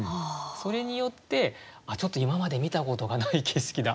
それによってちょっと今まで見たことがない景色だ